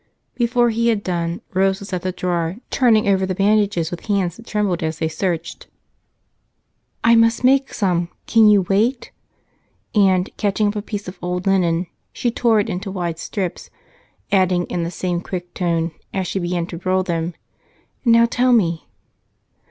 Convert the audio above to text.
Before he had done, Rose was at the drawer, turning over the bandages with hands that trembled as they searched. "All narrow! I must make some. Can you wait?" And, catching up a piece of old linen, she tore it into wide strips, adding, in the same quick tone, as she began to roll them, "Now, tell me."